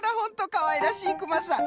かわいらしいクマさん。